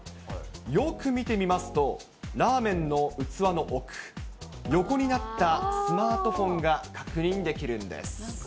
よく見てみますと、ラーメンの器の奥、横になったスマートフォンが確認できるんです。